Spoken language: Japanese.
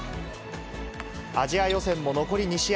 アジア予選も残り２試合。